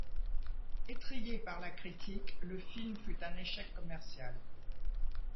Étrillé par la critique, le film fut un échec commercial.